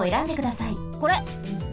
これ！